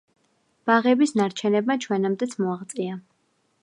ბაღების ნარჩენებმა ჩვენამდეც მოაღწია.